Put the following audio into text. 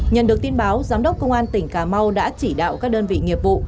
nhận được tin báo giám đốc công an tỉnh cà mau đã chỉ đạo các đơn vị nghiệp vụ